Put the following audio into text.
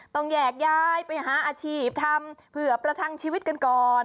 ต้องแยกย้ายไปหาอาชีพทำเผื่อประทังชีวิตกันก่อน